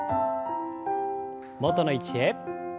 元の位置へ。